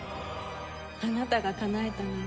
あなたがかなえたのよ